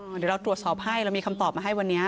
เดี๋ยวเราตรวจสอบให้เรามีคำตอบมาให้วันนี้